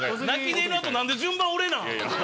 ネイルのあと何で順番俺なん？